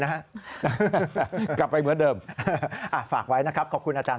กลับไปเหมือนเดิมฝากไว้นะครับขอบคุณอาจาร